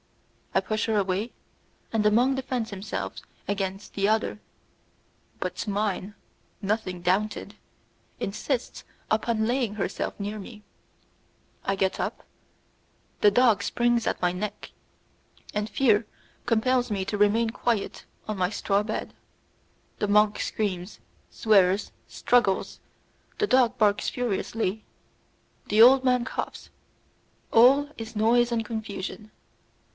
I push her away, and the monk defends himself against the other; but mine, nothing daunted, insists upon laying herself near me; I get up, the dog springs at my neck, and fear compels me to remain quiet on my straw bed; the monk screams, swears, struggles, the dog barks furiously, the old man coughs; all is noise and confusion.